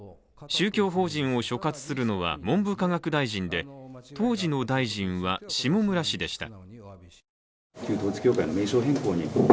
宗教法人を所轄するのは、文部科学大臣で、当時の大臣は下村氏でした。